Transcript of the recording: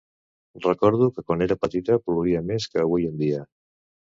Recordo que quan era petita plovia més que avui en dia.